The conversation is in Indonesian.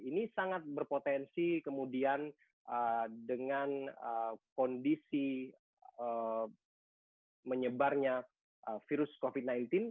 ini sangat berpotensi kemudian dengan kondisi menyebarnya virus covid sembilan belas